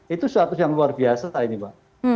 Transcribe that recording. itu suatu yang luar biasa saat ini mbak